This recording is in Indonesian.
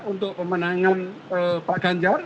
untuk pemenangan pak ganjar